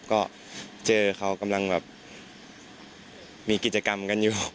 ก็เจอเขากำลังแบบมีกิจกรรมกันอยู่